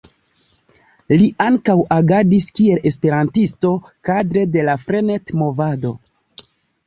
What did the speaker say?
Li ankaŭ agadis kiel esperantisto kadre de la Frenet-movado.